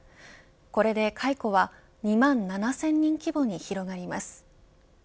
これで解雇は２万７０００人規模に広がります。